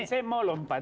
saya mau lompat